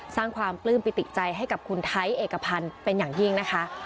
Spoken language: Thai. สร้างความปลื้มปิติใจให้กับคุณไทยเอกพันธ์เป็นอย่างยิ่งนะคะ